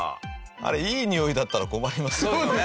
あれいいにおいだったら困りますよね。